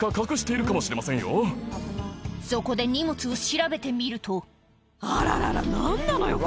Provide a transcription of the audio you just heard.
そこで荷物を調べてみるとあららら何なのよ